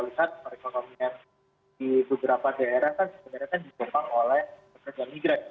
kalau kita lihat perekonomian di beberapa daerah kan sebenarnya dikembang oleh pekerjaan negeri